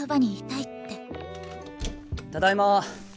ただいま。